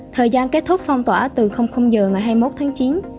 thời gian kết thúc phong tỏa từ giờ ngày hai mươi một tháng chín